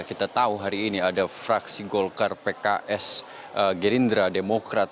kita tahu hari ini ada fraksi golkar pks gerindra demokrat